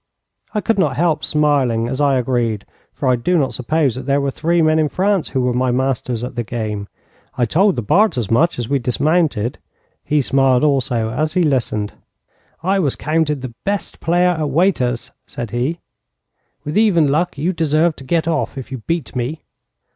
I could not help smiling as I agreed, for I do not suppose that there were three men in France who were my masters at the game. I told the Bart as much as we dismounted. He smiled also as he listened. 'I was counted the best player at Watier's,' said he. 'With even luck you deserve to get off if you beat me.'